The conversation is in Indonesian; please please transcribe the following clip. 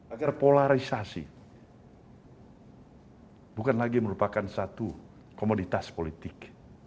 agar polarisasi bukan lagi merupakan satu komoditas politik